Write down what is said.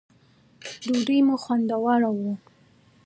ډوډی مو خوندوره وه